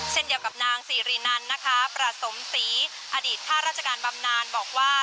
เช่นเดียวกับนางสิรินันนะคะประสมศรีอดีตข้าราชการบำนานบอกว่า